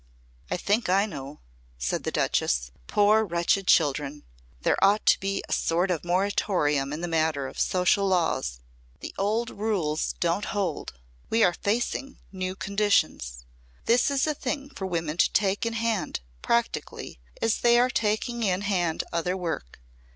"I think I know," said the Duchess. "Poor, wretched children! There ought to be a sort of moratorium in the matter of social laws. The old rules don't hold. We are facing new conditions. This is a thing for women to take in hand, practically, as they are taking in hand other work.